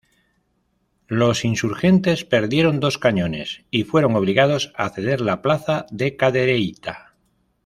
Los insurgente perdieron dos cañones y fueron obligados a ceder la plaza de Cadereyta.